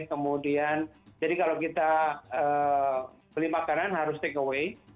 kemudian jadi kalau kita beli makanan harus take away